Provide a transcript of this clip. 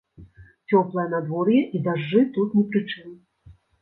Цёплае надвор'е і дажджы тут не пры чым.